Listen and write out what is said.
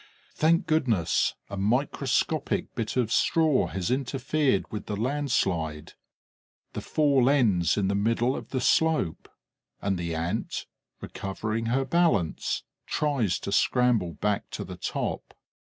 Thank goodness! A microscopic bit of straw has interfered with the landslide. The fall ends in the middle of the slope; and the Ant, recovering her balance, tries to scramble back to the top.